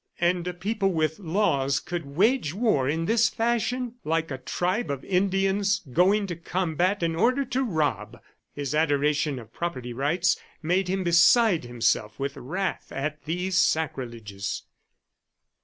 And a people with laws could wage war in this fashion, like a tribe of Indians going to combat in order to rob! ... His adoration of property rights made him beside himself with wrath at these sacrileges.